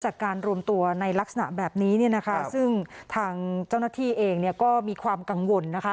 จากการรวมตัวในลักษณะแบบนี้ซึ่งทางเจ้าหน้าที่เองก็มีความกังวล